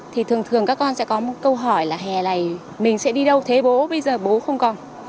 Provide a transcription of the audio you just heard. thì thường thường các con sẽ có một câu hỏi là hè này mình sẽ đi đâu thế bố bây giờ bố không còn